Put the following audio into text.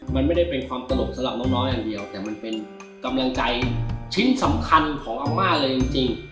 มันไม่ได้เป็นความตลกสำหรับน้องอย่างเดียวแต่มันเป็นกำลังใจชิ้นสำคัญของอาม่าเลยจริง